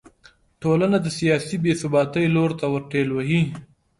ټولنه د سیاسي بې ثباتۍ لور ته ور ټېل وهي.